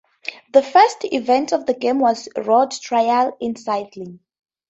The first event of the Games was Road Trial in cycling.